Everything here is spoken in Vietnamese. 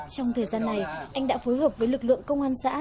trong thời gian này anh đã phối hợp với lực lượng công an xã